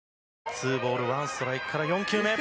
２ボール１ストライクから４球目。